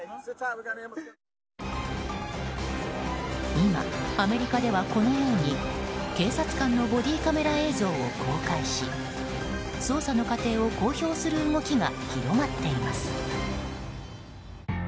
今、アメリカではこのように警察官のボディーカメラ映像を公開し捜査の過程を公表する動きが広まっています。